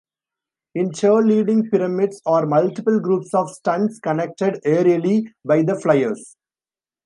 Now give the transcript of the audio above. In cheerleading, pyramids are multiple groups of stunts connected aerially by the flyers.